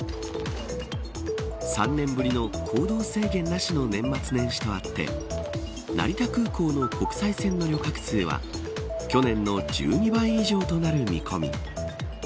３年ぶりの行動制限なしの年末年始とあって成田空港の国際線の旅客数は去年の１２倍以上となる見込み。